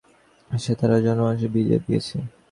সে তার জামা অশ্রু দিয়ে ভিজিয়ে দিয়েছে।